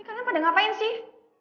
ini kalian pada ngapain sih